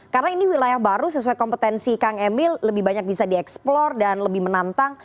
karena ini wilayah baru sesuai kompetensi kang emil lebih banyak bisa dieksplor dan lebih menantang